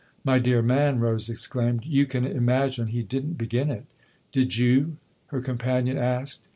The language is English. "My dear man," Rose exclaimed, "you can imagine he didn't begin it !" "Did you?" her companion asked.